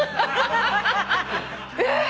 えっ！？